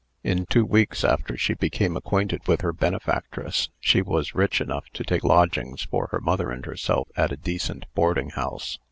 In two weeks after she became acquainted with her benefactress, she was rich enough to take lodgings for her mother and herself at a decent boarding house.